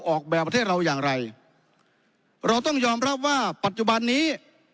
ออกแบบประเทศเราอย่างไรเราต้องยอมรับว่าปัจจุบันนี้